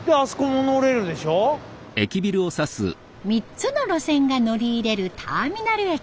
３つの路線が乗り入れるターミナル駅。